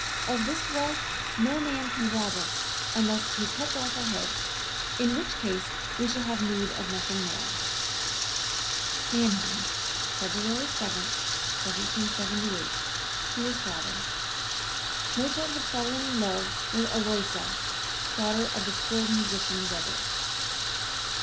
Of this wealth no man can rob us unless he cuts off our heads, in which case we should have need of nothing more." (Mannheim, February 7, 1778, to his father. Mozart had fallen in love with Aloysia, daughter of the poor musician Weber.)